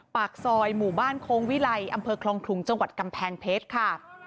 ปากซอยหมู่บ้านโค้งวิไลอำเภอคลองขลุงจังหวัดกำแพงเพชรค่ะ